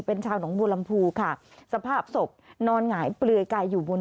เป็นชาวหนงบูรรมภูค่ะสภาพสบนอนหงายเปลือยกายอยู่บนเตียง